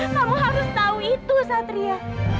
kamu harus tahu itu satria